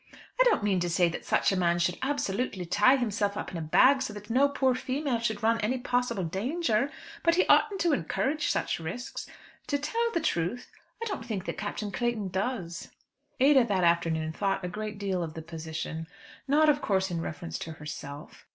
"I don't mean to say that such a man should absolutely tie himself up in a bag so that no poor female should run any possible danger, but he oughtn't to encourage such risks. To tell the truth, I don't think that Captain Clayton does." Ada that afternoon thought a great deal of the position, not, of course, in reference to herself.